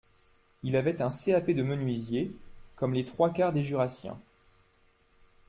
Il avait un CAP de menuisier, comme les trois quarts des jurassiens;